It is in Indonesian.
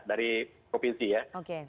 dari provinsi ya oke